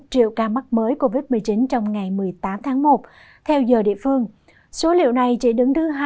triệu ca mắc mới covid một mươi chín trong ngày một mươi tám tháng một theo giờ địa phương số liệu này chỉ đứng thứ hai